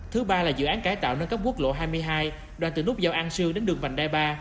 thứ ba là dự án cải tạo nâng cấp quốc lộ hai mươi hai đoàn từ nút giao an sương đến đường vành đai ba